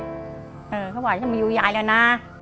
เขาบอกว่าจะมาอยู่ย้ายแล้วนะ